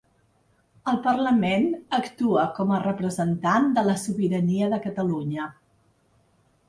El parlament ‘actua com a representant de la sobirania de Catalunya’.